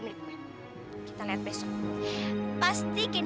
nih ini cocok banget